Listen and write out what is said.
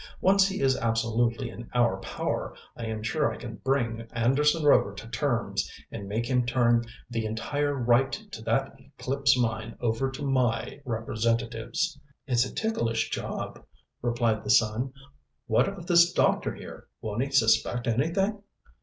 Once he is absolutely in our power, I am sure I can bring Anderson Rover to terms and make him turn the entire right to that Eclipse mine over to my representatives." "It's a ticklish job," replied the son. "What of this doctor here? Won't he suspect anything?"